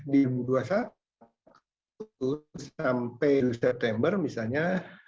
di dua ribu dua puluh satu sampai september misalnya